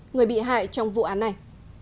người bị hại trong vụ án này